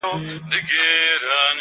• ما منلی پر ځان حکم د سنګسار دی..